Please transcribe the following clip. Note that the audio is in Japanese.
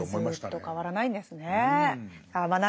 はいずっと変わらないんですね。